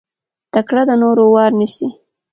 تکړه د نورو وار نيسي.